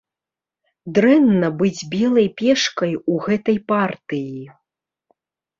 Дрэнна быць белай пешкай у гэтай партыі.